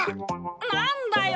なんだよ！